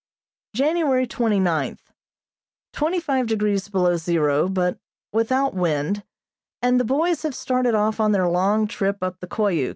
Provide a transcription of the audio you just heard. January twenty ninth: Twenty five degrees below zero, but without wind, and the boys have started off on their long trip up the Koyuk.